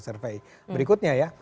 survey berikutnya ya